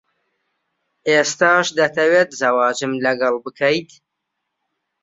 ئێستاش دەتەوێت زەواجم لەگەڵ بکەیت؟